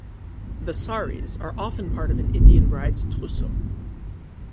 The sarees are often part of an Indian bride's trousseau.